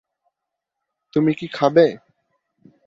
তুমি কি খাবে?